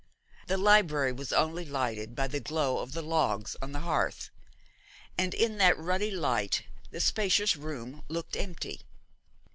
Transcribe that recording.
The library was only lighted by the glow of the logs on the hearth, and in that ruddy light the spacious room looked empty.